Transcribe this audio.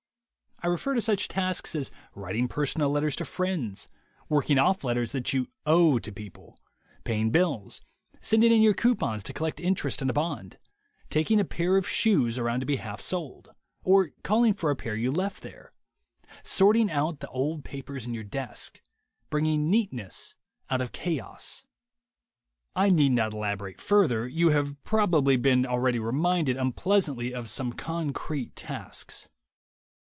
I refer to such tasks as writing personal letters to friends; working off letters that you "owe" to people; pay ing bills ; sending in your coupons to collect interest on a bond; taking a pair of shoes around to be half soled, or calling for a pair you left there; sorting out the old papers in your desk; bringing neatness out of chaos ... I need not elaborate further. You have probably been already reminded unpleasantly of some concrete tasks.